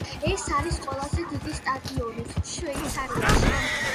ეს არის ყველაზე დიდი სტადიონი შვეიცარიაში.